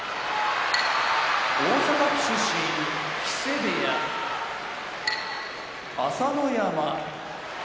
大阪府出身木瀬部屋朝乃山